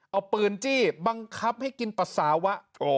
เอาปืนจี้บังคับให้กินปัสสาวะ